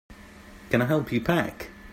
Can I help you pack?